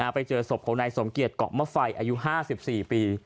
ไปเจอศพของนายสมเกียจเกาะมะไฟอายุ๕๔ปี